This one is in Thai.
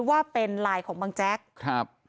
ว่าเป็นไลน์ของบังแจ๊กครับ